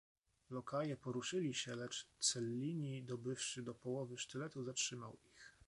"Lokaje poruszyli się, lecz Cellini dobywszy do połowy sztyletu zatrzymał ich."